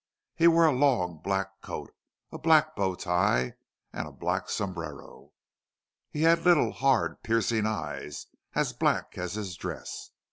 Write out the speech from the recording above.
He wore a long black coat, a black bow tie, and a black sombrero. He had little, hard, piercing eyes, as black as his dress.